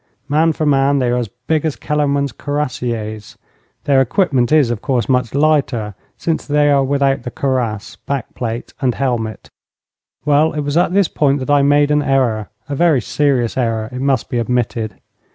Man for man, they are as big as Kellerman's cuirassiers. Their equipment is, of course, much lighter, since they are without the cuirass, back plate, and helmet. Well, it was at this point that I made an error a very serious error it must be admitted.